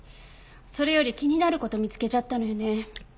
それより気になる事見つけちゃったのよね。